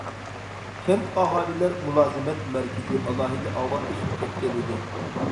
كەنت ئاھالىلەر مۇلازىمەت مەركىزى ئالاھىدە ئاۋاتلىشىپ كەتكەنىدى.